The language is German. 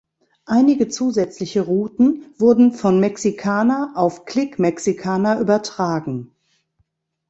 Einige zusätzliche Routen wurden von Mexicana auf Click Mexicana übertragen.